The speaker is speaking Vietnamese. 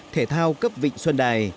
thể thao cấp vịnh xuân đài